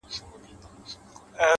لوړ هدفونه قوي باور غواړي!